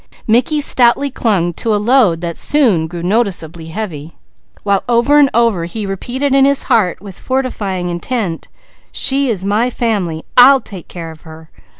Mickey stoutly clung to a load that soon grew noticeably heavy; while over and over he repeated in his heart with fortifying intent: "She is my family, I'll take care of her.